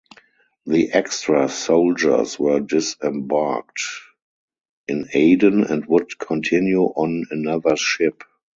The extra soldiers were disembarked in Aden and would continue on another ship.